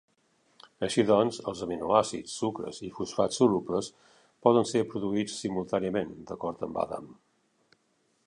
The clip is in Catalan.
Així doncs els aminoàcids, sucres i fosfats solubles poden ser produïts simultàniament, d'acord amb Adam.